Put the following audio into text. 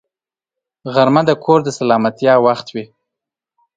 غرمه د کور د سلامتیا وخت وي